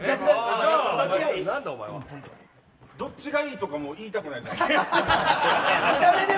どっちがいいとか言いたくない。